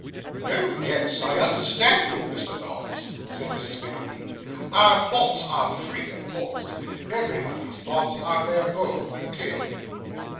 'Oh yes, I understand you, Mr. Noggs,' said Mrs. Nickleby. 'Our thoughts are free, of course. Everybody's thoughts are their own, clearly.